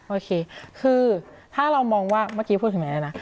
โอเคคือถ้าเรามองว่าเมื่อกี้พูดถึงแม่นะ